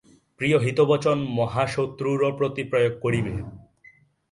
প্রিয় হিতবচন মহাশত্রুরও প্রতি প্রয়োগ করিবে।